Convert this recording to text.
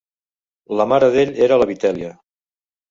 La mare d'ell era la Vitèlia.